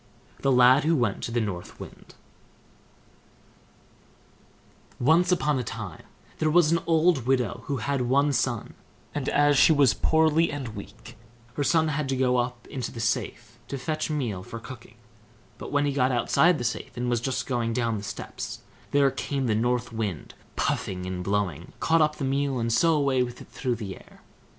THE LAD WHO WENT TO THE NORTH WIND Once on a time there was an old widow who had one son; and as she was poorly and weak, her son had to go up into the safe to fetch meal for cooking; but when he got outside the safe, and was just going down the steps, there came the North Wind, puffing and blowing, caught up the meal, and so away with it through the air.